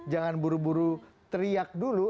jangan buru buru teriak dulu